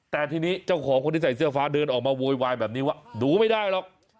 แต่ทีนี้เจ้าของคนที่ใส่เสื้อฟ้าเดินออกมาโวยวายแบบนี้ว่าดูไม่ได้หรอก